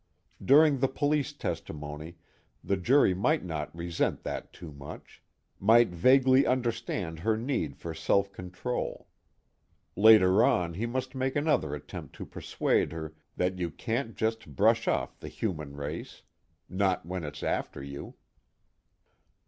During the police testimony, the jury might not resent that too much, might vaguely understand her need for self control. Later on he must make another attempt to persuade her that you can't just brush off the human race not when it's after you.